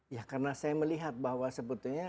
ya karena saya melihat bahwa sebetulnya